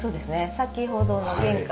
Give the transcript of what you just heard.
先ほどの玄関の。